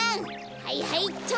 はいはいっちょ！